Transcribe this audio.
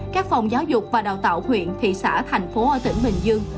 các phòng giáo dục và đào tạo huyện thị xã thành phố ở tỉnh bình dương